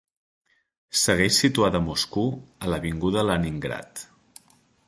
Segueix situada a Moscou, a l'avinguda Leningrad.